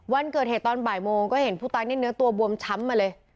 วันเกิดเหตุตอนบ่ายโมงก็เห็นผู้ตายนี่เนื้อตัวบวมช้ำมาเลย